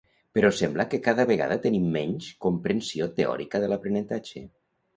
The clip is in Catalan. Però sembla que cada vegada tenim menys comprensió teòrica de l'aprenentatge.